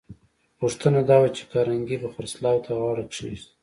خو پوښتنه دا وه چې کارنګي به خرڅلاو ته غاړه کېږدي؟